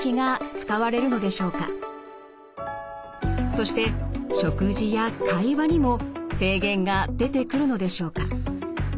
そして食事や会話にも制限が出てくるのでしょうか？